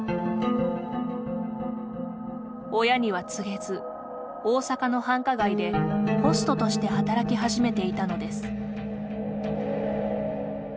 親には告げず大阪の繁華街でホストとして働き始めていたのです。